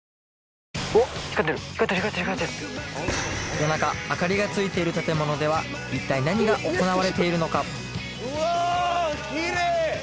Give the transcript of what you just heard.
夜中明かりがついている建物では一体何が行われているのかうわーキレイ！